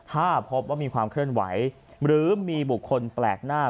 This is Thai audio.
ถ้าพบว่ามีความเคลื่อนไหวหรือมีบุคคลแปลกหน้า